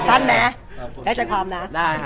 สั้นไหมใช้สัดความนะ